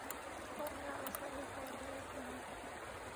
তোমাকে আরও সুন্দর শাড়ি কিনে দিতে হবে।